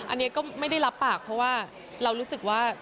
อันนี้ก็ไม่ได้รับปากเพราะว่าเรารู้สึกว่า